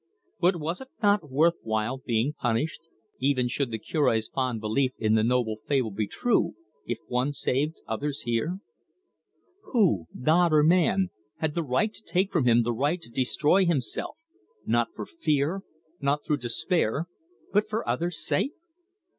But was it not worth while being punished, even should the Cure's fond belief in the noble fable be true, if one saved others here? Who God or man had the right to take from him the right to destroy himself, not for fear, not through despair, but for others' sake?